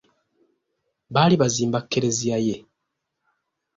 Baali bazimba Klezia ye.